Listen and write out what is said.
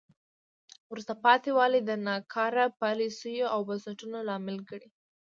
وروسته پاتې والی د ناکاره پالیسیو او بنسټونو لامل ګڼي.